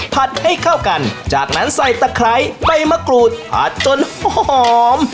ให้เข้ากันจากนั้นใส่ตะไคร้ใบมะกรูดผัดจนหอม